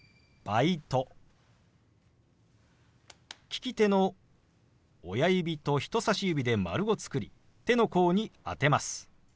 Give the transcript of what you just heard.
利き手の親指と人さし指で丸を作り手の甲に当てます。